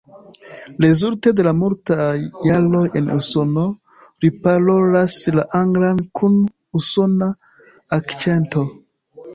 Rezulte de la multaj jaroj en Usono, li parolas la anglan kun usona akĉento.